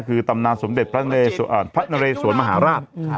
คือตำนานสมเด็จพระนเรสวนมหาราช